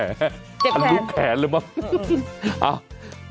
จัดลูกแขนเลยมาก